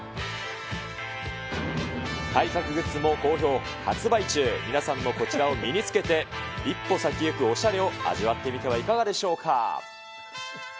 体格グッズも好評発売中、皆さんもこちらを身につけて一歩先行くおしゃれを味わってみてはいかがでしょうか。